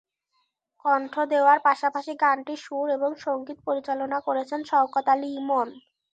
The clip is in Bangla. কণ্ঠ দেওয়ার পাশাপাশি গানটির সুর এবং সংগীত পরিচালনা করেছেন শওকত আলী ইমন।